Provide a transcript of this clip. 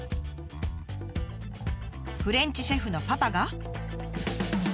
フレンチシェフのパパが。